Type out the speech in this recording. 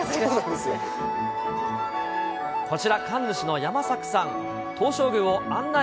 こちら、神主の山作さん。